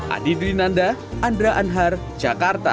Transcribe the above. adi drinanda andra anhar jakarta